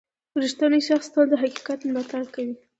• رښتینی شخص تل د حقیقت ملاتړ کوي.